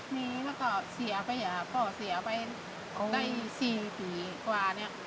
มีแล้วก็เสียไปอะครับก็เสียไปในสี่ปีกว่าเนี่ย